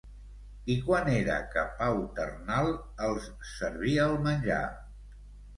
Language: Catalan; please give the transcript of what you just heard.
I quan era que Pau Ternal els servia el menjar?